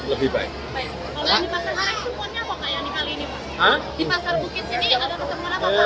di pasar bukit sini ada support apa pak